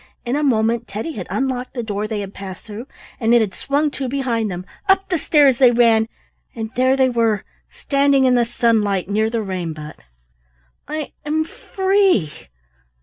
In a moment Teddy had unlocked the door they had passed through, and it had swung to behind them. Up the stairs they ran, and there they were standing in the sunlight near the rain butt. "I am free!